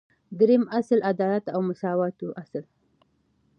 دریم اصل : عدالت او مساواتو اصل